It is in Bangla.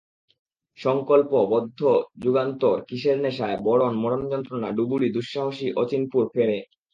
সংকল্প, বদ্ধ, যুগান্তর, কিসের নেশায়, বরণ, মরণ-যন্ত্রণা, ডুবুরি, দুঃসাহসী, অচিনপুর, ফেড়ে।